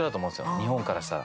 日本からしたら。